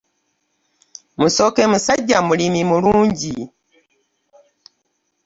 Musoke musajja mulimi mulungi.